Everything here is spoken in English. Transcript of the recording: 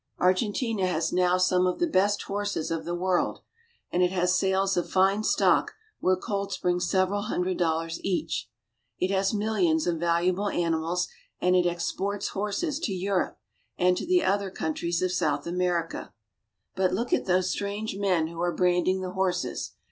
Argentina has now some of the best horses of the world, and it has sales of fine stock where colts bring several hundred dollars each. It has millions of val uable animals, and it exports horses to Eu rope . and to the other coun tries of South America. But look at those strange men who are branding the horses.